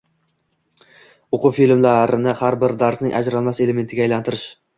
o‘quv filmlarini har bir darsning ajralmas elementiga aylantirish